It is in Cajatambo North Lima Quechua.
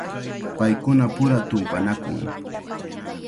Paykunapura tumpanakun.